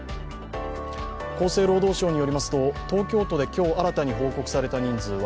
厚生労働省によりますと、東京都で今日新たに報告された人数は